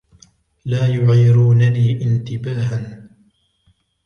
لا يعيرونني انتباهًا.